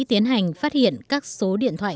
tiến hành phát hiện các số điện thoại